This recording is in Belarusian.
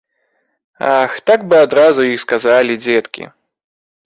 Ах, так бы адразу і сказалі, дзеткі!